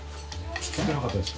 きつくなかったですか？